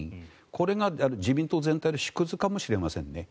これが自民党全体の縮図かもしれません。